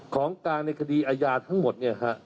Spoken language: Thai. ของกลางในคดีอาญาทั้งหมดเนี่ยฮะ